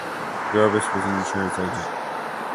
Jarvis was an insurance agent.